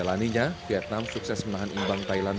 dan apa yang sudah kamu mendengarnya bila kamu tahun ini